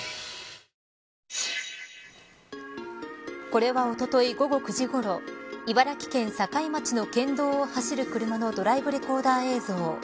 これはおととい午後９時ごろ茨城県境町の県道を走る車のドライブレコーダー映像。